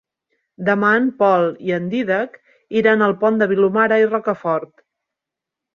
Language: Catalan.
Demà en Pol i en Dídac iran al Pont de Vilomara i Rocafort.